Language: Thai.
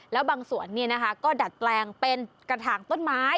แล้วบางส่วนก็ดัดแปลงเป็นกระถางต้นไม้